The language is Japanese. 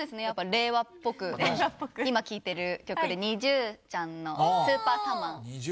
令和っぽく今聴いてる曲でＮｉｚｉＵちゃんの『ＳｕｐｅｒＳｕｍｍｅｒ』